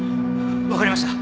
分かりました。